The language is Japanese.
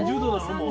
もう。